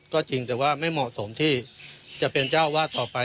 ก็จริงแต่ว่าไม่เหมาะสกงค์สวมที่จะเพียงเจ้าอวาดต่อไป